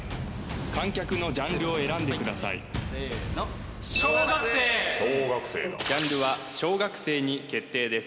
観客のジャンルを選んでくださいせーの小学生ジャンルは小学生に決定です